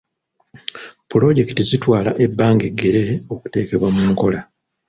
Pulojekiti zitwala ebbanga eggere okuteekebwa mu nkola.